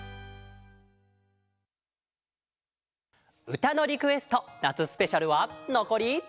「うたのリクエストなつスペシャル」はのこり。